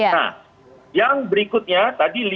nah yang berikutnya tadi lima dua